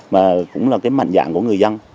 mà cũng là mạnh dạng của người dân